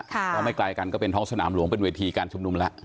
เพราะไม่ไกลกันก็เป็นท้องสนามหลวงเป็นเวทีการชุมนุมแล้ว